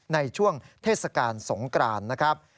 ในช่วงเทศกาลสงกรานนะครับ